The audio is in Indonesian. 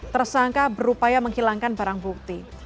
tersangka berupaya menghilangkan barang bukti